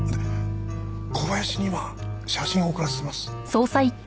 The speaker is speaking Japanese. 小林に今写真を送らせてます。